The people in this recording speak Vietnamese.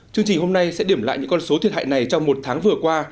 chương trình hôm nay sẽ điểm lại những con số thiệt hại này trong một tháng vừa qua